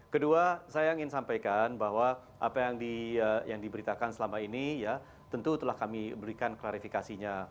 kedua saya ingin sampaikan bahwa apa yang diberitakan selama ini ya tentu telah kami berikan klarifikasinya